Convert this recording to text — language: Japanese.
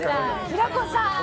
平子さん